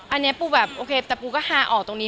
อันนี้ปูแบบโอเคแต่ปูก็ฮาออกตรงนี้